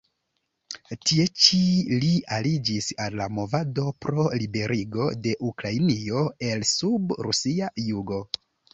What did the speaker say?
Tie ĉi li aliĝis al la movado pro liberigo de Ukrainio el-sub rusia jugo.